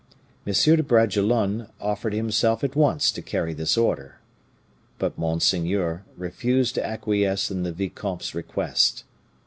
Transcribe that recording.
M. de Bragelonne offered himself at once to carry this order. But monseigneur refused to acquiesce in the vicomte's request.